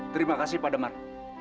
terima kasih pak damar